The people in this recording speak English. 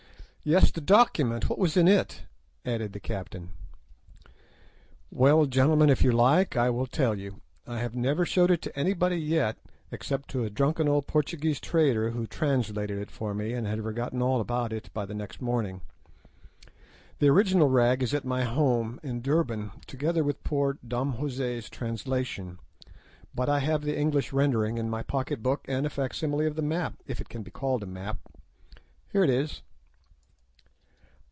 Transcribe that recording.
"Yes, the document; what was in it?" added the captain. "Well, gentlemen, if you like I will tell you. I have never showed it to anybody yet except to a drunken old Portuguese trader who translated it for me, and had forgotten all about it by the next morning. The original rag is at my home in Durban, together with poor Dom José's translation, but I have the English rendering in my pocket book, and a facsimile of the map, if it can be called a map. Here it is."